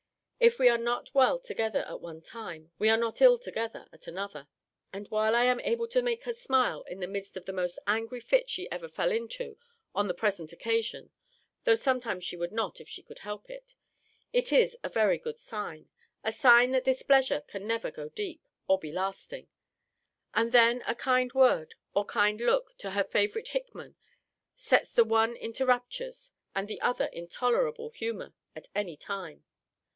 If we are not well together at one time, we are not ill together at another. And while I am able to make her smile in the midst of the most angry fit she ever fell into on the present occasion, (though sometimes she would not if she could help it,) it is a very good sign; a sign that displeasure can never go deep, or be lasting. And then a kind word, or kind look, to her favourite Hickman, sets the one into raptures, and the other in tolerable humour, at any time.